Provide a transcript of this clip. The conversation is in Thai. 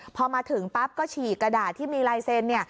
พอมาถึงปั๊บก็ฉีกกระดาษที่มีลายเซ็นต์